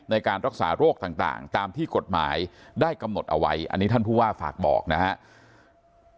ในการรักษาโรคต่างตามที่กฎหมายได้กำหนดเอาไว้อันนี้ท่านผู้ว่าฝากบอกนะครับ